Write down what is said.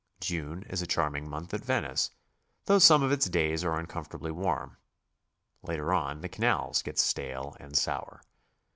June is a charm ing month at Venice, though some oI its days are uncom fortably warm; later on, the canals get stale and sour.